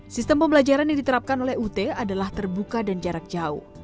sistem pembelajaran yang diterapkan oleh ut adalah terbuka dan jarak jauh